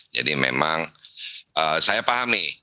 jadi memang saya pahami